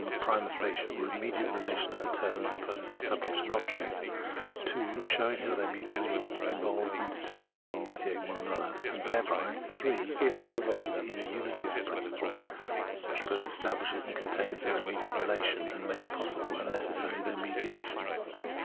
Translator's Introduction xxv from the prima facie or " immediate " relation of the terms opposed as subject and object, (2) showing how they mutually involve and determine or " mediate " one another, and thereby (3) evolving the inner unity of principle which both estabhshes and contains their im|mediate relation, and makes possible and necessary thifeir mediation.